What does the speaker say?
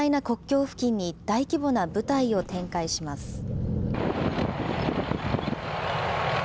国境付近に大規模な部隊を展開します。